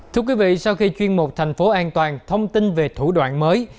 thưa quý vị sau khi chuyên một thành phố an toàn thông tin về thủ đoạn mới